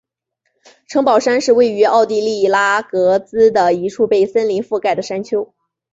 城堡山是位于奥地利格拉兹的一处被森林覆盖的山丘。